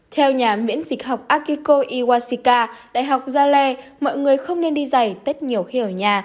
theo nhà miễn dịch học akiko iwasaka đại học gia lê mọi người không nên đi dày tết nhiều khi ở nhà